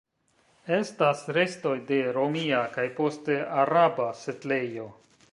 Estas restoj de romia kaj poste araba setlejo.